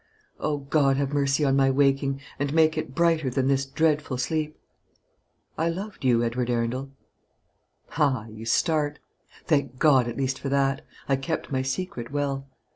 O God, have mercy on my waking, and make it brighter than this dreadful sleep! I loved you, Edward Arundel. Ah! you start. Thank God at least for that. I kept my secret well.